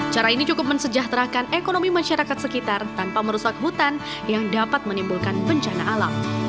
cara ini cukup mensejahterakan ekonomi masyarakat sekitar tanpa merusak hutan yang dapat menimbulkan bencana alam